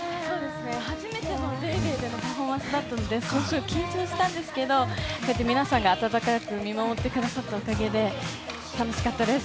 初めての『ＤａｙＤａｙ．』でのパフォーマンスだったので、緊張したんですけど、皆さんが温かく見守ってくださったおかげで楽しかったです。